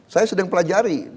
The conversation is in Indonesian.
saya sedang pelajari